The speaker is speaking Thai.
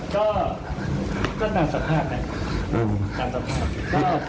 ก็คือตามสภาพค่ะ